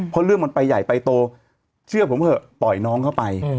เพราะเรื่องมันไปใหญ่ไปโตเชื่อผมเถอะปล่อยน้องเข้าไป